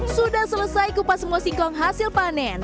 sudah selesai kupas semua singkong hasil panen